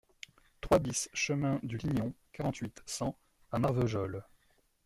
trois BIS chemin du Lignon, quarante-huit, cent à Marvejols